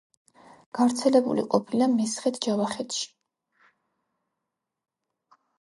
გავრცელებული ყოფილა მესხეთ-ჯავახეთში.